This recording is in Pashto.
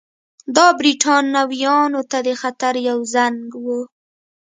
دا برېټانویانو ته د خطر یو زنګ وو.